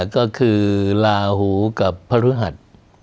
ก็คือลาหูกับพระฤหัส